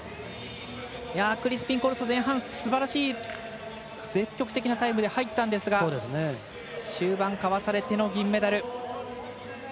クリスピンコルソすばらしい積極的なタイムで入ったんですが終盤、かわされての銀メダル。